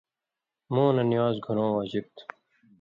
مُو نہ نِوان٘ز گھُرٶں واجب تھُو۔